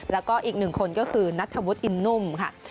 แล้วก็อีกหนึ่งคนก็คือนัทธวุฒิอินนุ่มค่ะ